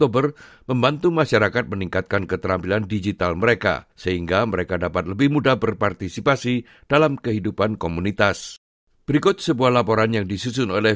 berikut sebuah laporan yang disusun oleh